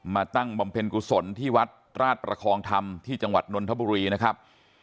ตั้งบำเพ็ญกุศลที่วัดราชประคองธรรมที่จังหวัดนนทบุรีนะครับ